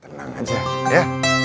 tenang aja ya